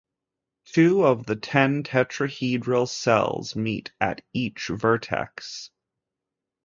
Two of the ten tetrahedral cells meet at each vertex.